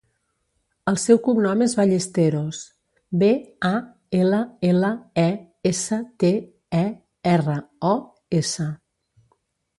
El seu cognom és Ballesteros: be, a, ela, ela, e, essa, te, e, erra, o, essa.